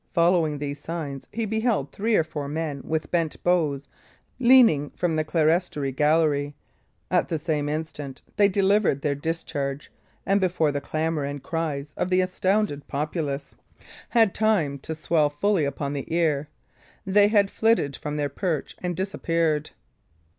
Following these signs, he beheld three or four men with bent bows leaning from the clerestory gallery. At the same instant they delivered their discharge, and before the clamour and cries of the astounded populace had time to swell fully upon the ear, they had flitted from their perch and disappeared.